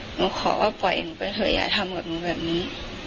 หนูขอว่าปล่อยหนูไปเถอะอย่าทำกับหนูแบบนี้